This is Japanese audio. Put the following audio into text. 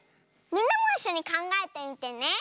みんなもいっしょにかんがえてみてね。